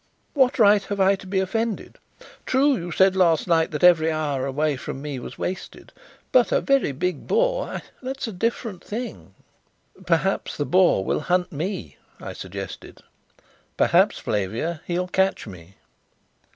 "What right have I to be offended? True, you said last night that every hour away from me was wasted. But a very big boar! that's a different thing." "Perhaps the boar will hunt me," I suggested. "Perhaps, Flavia, he'll catch me."